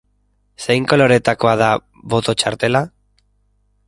Zein koloretakoa da boto-txartela?